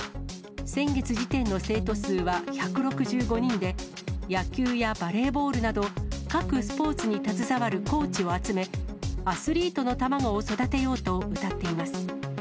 先月時点の生徒数は１６５人で、野球やバレーボールなど、各スポーツに携わるコーチを集め、アスリートの卵を育てようとうたっています。